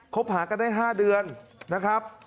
บหากันได้๕เดือนนะครับ